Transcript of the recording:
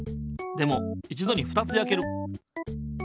でもいちどに２つやける。